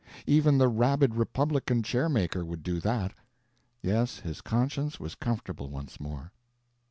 even the rabid republican chair maker would do that. Yes, his conscience was comfortable once more.